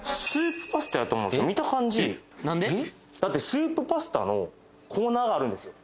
見た感じだってスープパスタのコーナーがあるんですよ